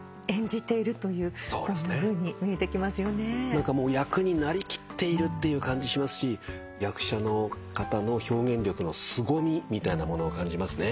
何かもう役になりきっているっていう感じしますし役者の方の表現力のすごみみたいなものを感じますね。